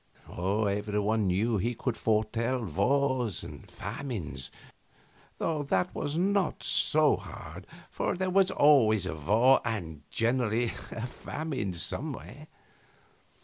Every one knew he could foretell wars and famines, though that was not so hard, for there was always a war and generally a famine somewhere.